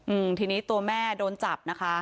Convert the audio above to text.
อืมทีนี้ตัวแม่โดนจับนะคะ